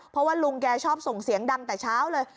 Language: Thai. เพราะว่าลุงแกชอบส่งเสียงดังแต่เช้าเลย